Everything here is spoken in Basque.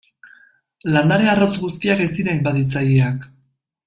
Landare arrotz guztiak ez dira inbaditzaileak.